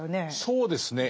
そうですね。